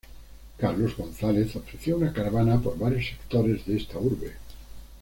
Carlos González ofreció una caravana por varios sectores de esta urbe.